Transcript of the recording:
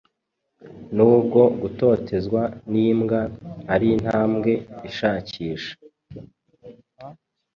Nubwo gutotezwa nimbwa arintambwe ishakisha